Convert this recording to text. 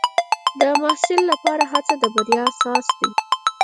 د محصل لپاره هڅه د بریا اساس دی.